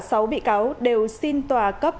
cả sáu bị cáo đều xin tòa cấp